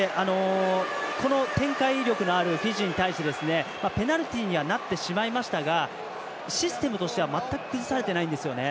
この展開力のあるフィジーに対してペナルティにはなってしまいましたがシステムとしては全く崩されていないんですよね。